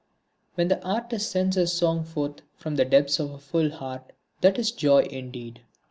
When the artist sends his song forth from the depths of a full heart that is joy indeed.